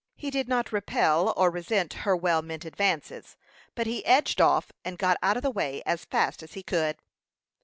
He did not repel or resent her well meant advances; but he edged off, and got out of the way as fast as he could.